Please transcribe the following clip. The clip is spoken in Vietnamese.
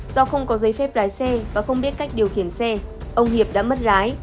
do không có giấy phép lái xe và không biết cách điều khiển xe ông hiệp đã mất lái